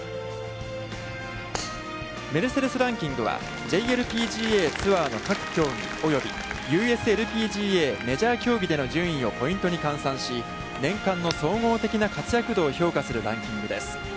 メルセデス・ランキングは、ＪＬＰＧＡツアーの各競技及びＵＳＬＰＧＡメジャー競技での順位をポイントに換算し、年間の総合的な活躍度を評価するランキングです。